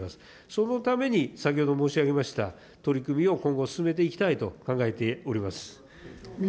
そのために先ほど申し上げました、取り組みを今後進めていきたいと考えております。